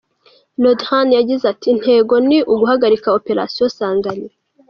Le Drian yagize ati"Intego ni uguhagarika Operation Sangaris .